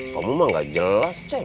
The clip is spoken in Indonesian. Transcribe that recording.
kamu mah gak jelas cek